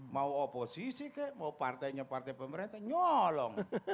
mau oposisi kek mau partainya partai pemerintah nyolong